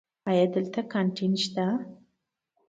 ایا دلته کانتین شته؟